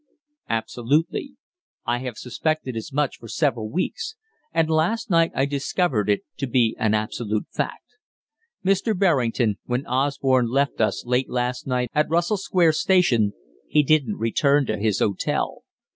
"Absolutely. I have suspected as much for several weeks, and last night I discovered it to be an absolute fact. Mr. Berrington, when Osborne left us last night at Russell Square station he didn't return to his hotel.